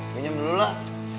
pinjam dulu lah